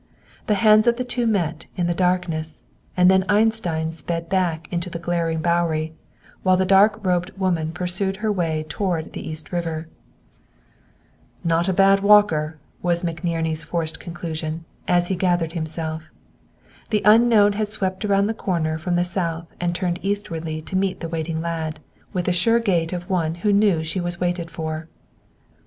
The hands of the two met, in the darkness, and then Einstein sped back into the glaring Bowery, while the dark robed woman pursued her way toward the East River. "No bad walker," was McNerney's forced conclusion, as he gathered himself. The unknown had swept around the corner from the south and turned eastwardly to meet the waiting lad, with the sure gait of one who knew she was waited for.